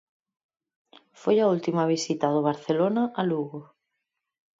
Foi a última visita do Barcelona a Lugo.